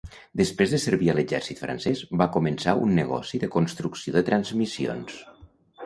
Després de servir a l'exèrcit francès, va començar un negoci de construcció de transmissions.